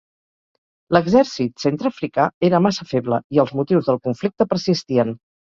L'exèrcit centreafricà era massa feble i els motius del conflicte persistien.